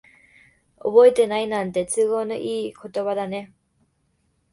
覚えてないなんて、都合のいい言葉だね。